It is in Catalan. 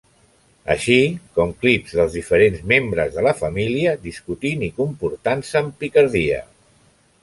Així com clips dels diferents membres de la família discutint i comportant-se amb picardia.